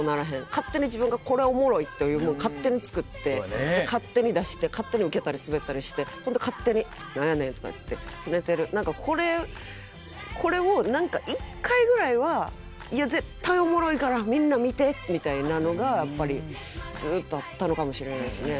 勝手に自分がこれおもろいというもん勝手につくって勝手に出して勝手にウケたりスベったりしてほんで勝手に何やねんとか言ってすねてる何かこれを一回ぐらいはいや絶対おもろいからみんな見てみたいなのがやっぱりずっとあったのかもしれないですね。